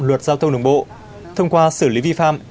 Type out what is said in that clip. luật giao thông đường bộ thông qua xử lý vi phạm